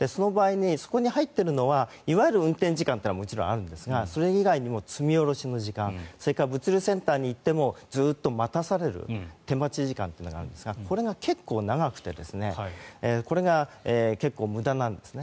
そこに入っているのはいわゆる運転時間というのももちろんあるんですがそれ以外にも積み下ろしの時間それから物流センターに行ってもずっと待たされる手待ち時間というのがあるんですが、これが結構長くてこれが結構、無駄なんですね。